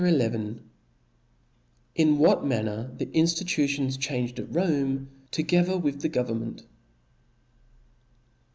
XL In what manner the Injlitutians changed at Rome, tagether with the Government.